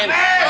nah gitu dong